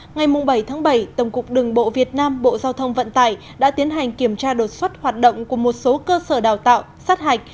ngày bảy bảy tổng cục đường bộ việt nam bộ giao thông vận tải đã tiến hành kiểm tra đột xuất hoạt động của một số cơ sở đào tạo sát hạch